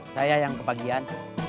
saya yang ke pagian